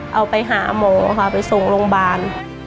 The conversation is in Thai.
เอาไปหาหมอค่ะไปส่งโรงพยาบาล